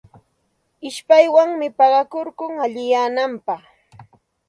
Ishpaywanmi paqakurkun allinyananpaq.